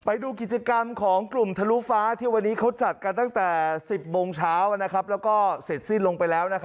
ไปดูกิจกรรมของกลุ่มทะลุฟ้าที่วันนี้เขาจัดกันตั้งแต่๑๐โมงเช้าแล้วก็เสร็จสิ้นลงไปแล้ว